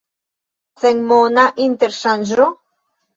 Senmona interŝanĝo?